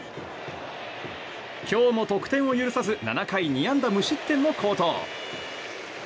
今日も得点を許さず７回２安打無失点の好投。